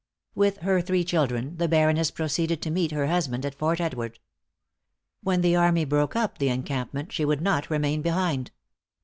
With her three children, the Baroness proceeded to meet her husband at Fort Edward. When the army broke up the encampment, she would not remain behind.